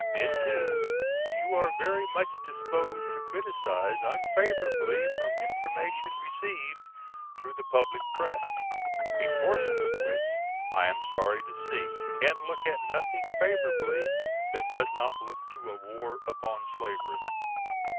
Then too you are very much disposed to criticise unfavorably from information received through the public press, a portion of which I am sorry to see can look at nothing favorably that does not look to a war upon slavery.